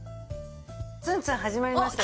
ツンツン始まりましたよ。